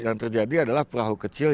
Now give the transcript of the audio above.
yang terjadi adalah perahu kecil